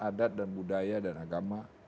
adat dan budaya dan agama